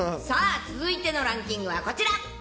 さあ、続いてのランキングはこちら。